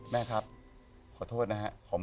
แม่ครับขอโทษนะครับ